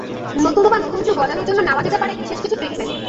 নতুবা নতুন চুল গজানোর জন্য নেওয়া যেতে পারে বিশেষ কিছু ট্রিটমেন্ট।